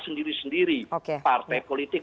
sendiri sendiri partai politik